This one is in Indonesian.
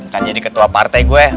kan jadi ketua partai gue